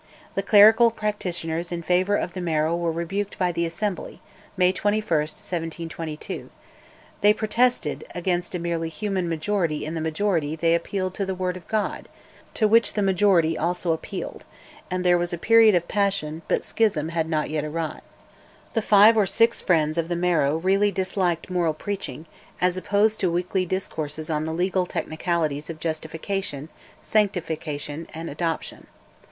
The clerical petitioners in favour of the Marrow were rebuked by the Assembly (May 21, 1722); they protested: against a merely human majority in the Assembly they appealed to "The Word of God," to which the majority also appealed; and there was a period of passion, but schism had not yet arrived. The five or six friends of the Marrow really disliked moral preaching, as opposed to weekly discourses on the legal technicalities of justification, sanctification, and adoption.